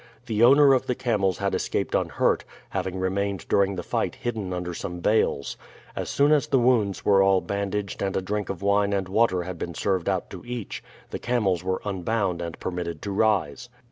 The owner of the camels had escaped unhurt, having remained during the fight hidden under some bales. As soon as the wounds were all bandaged and a drink of wine and water had been served out to each, the camels were unbound and permitted to rise.